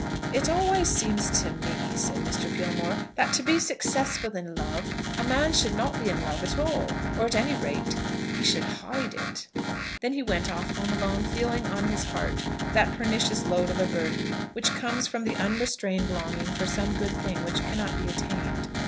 "It always seems to me," said Mr. Gilmore, "that to be successful in love, a man should not be in love at all; or, at any rate, he should hide it." Then he went off home alone, feeling on his heart that pernicious load of a burden which comes from the unrestrained longing for some good thing which cannot be attained.